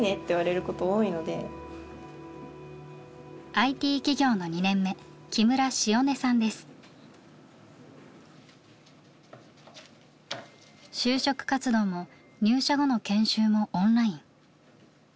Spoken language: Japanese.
ＩＴ企業の就職活動も入社後の研修もオンライン。